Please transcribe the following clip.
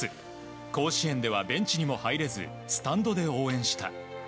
甲子園ではベンチにも入れずスタンドで応援した。